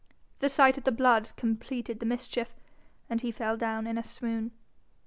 The sight of the blood completed the mischief, and he fell down in a swoon.